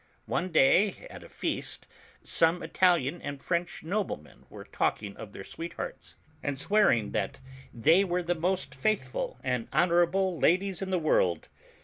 One day at a feast some Italian and French noblemen were talking of tlieir sweet hearts, and swearing that they were the most faithful and hon orable and beautiful ladies in the world.